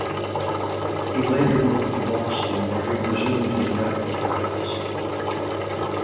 He later moved to Boston, where he resumed his medical practice.